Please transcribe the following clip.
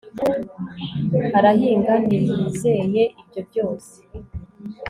arahinga ntiyizeye ibyo byose